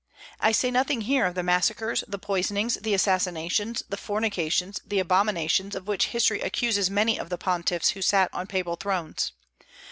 I say nothing here of the massacres, the poisonings, the assassinations, the fornications, the abominations of which history accuses many of the pontiffs who sat on papal thrones.